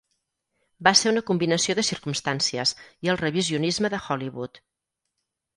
Va ser una combinació de circumstàncies i el revisionisme de Hollywood.